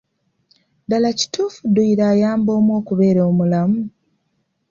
Ddaala kituufu dduyiro ayamba omu okubeera omulamu?